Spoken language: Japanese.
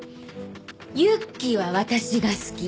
ユッキーは私が好き。